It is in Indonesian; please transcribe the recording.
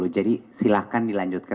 jadi silahkan dilanjutkan